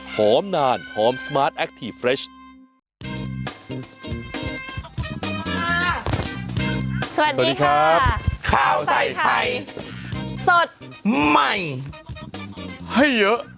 ข่าวใส่ไทยสดใหม่ให้เยอะ